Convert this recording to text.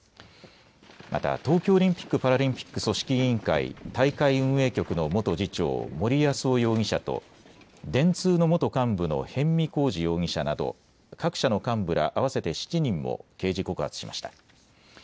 また東京オリンピック・パラリンピック組織委員会大会運営局の元次長、森泰夫容疑者と電通の元幹部の逸見晃治容疑者など各社の幹部ら合わせて７人も刑事告発しました。